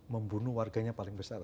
membunuh warganya paling besar